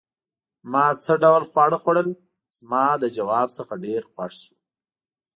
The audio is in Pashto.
ما څه ډول خواړه خوړل؟ زما له ځواب څخه ډېر خوښ شو.